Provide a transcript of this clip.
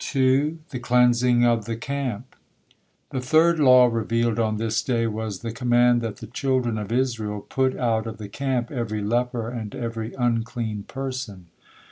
THE CLEANSING OF THE CAMP The third law revealed on this day was the command that the children of Israel put out of the camp every leper and every unclean person.